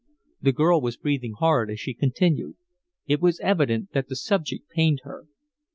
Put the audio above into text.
The girl was breathing hard as she continued; it was evident that the subject pained her.